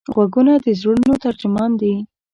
غوږونه د زړونو ترجمان دي